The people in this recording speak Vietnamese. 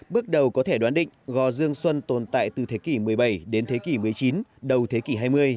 bước đầu có thể đoán định gò dương xuân tồn tại từ thế kỷ một mươi bảy đến thế kỷ một mươi chín đầu thế kỷ hai mươi